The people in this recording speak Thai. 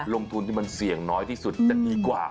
ลงทุนที่มันเสี่ยงน้อยที่สุดจะดีกว่า